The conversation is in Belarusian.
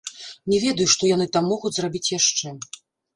Не ведаю, што яны там могуць зрабіць яшчэ.